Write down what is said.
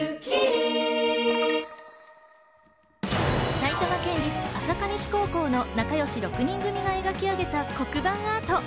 埼玉県立朝霞西高校の仲良し６人組が描き上げた黒板アート。